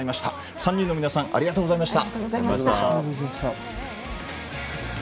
３人の皆さんありがとうございました。